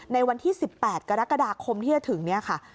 ในวันที่๑๘กรกฎาคมที่จะถึงเนี่ยค่ะ